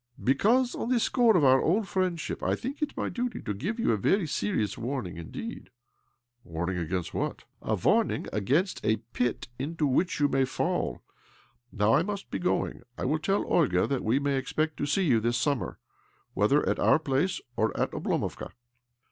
" Because, on the score of our old friend ship, I think it my duty to give you a very serious warning indeed." " A warning against what ?"" A warning against a pit into which you may fall. Now I must be going. I will tell Olga that we may expect to see you this summer, whether at our place or at Oblomovka."